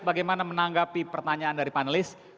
bagaimana menanggapi pertanyaan dari panelis